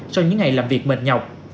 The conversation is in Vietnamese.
sau những ngày làm việc mệt nhọc